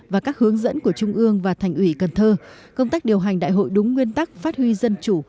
và các hướng dẫn của trung ương và thành ủy cần thơ công tác điều hành đại hội đúng nguyên tắc phát huy dân chủ